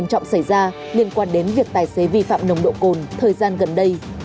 tình trạng xảy ra liên quan đến việc tài xế vi phạm nồng độ cồn thời gian gần đây